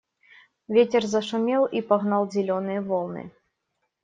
Ветер зашумел и погнал зеленые волны.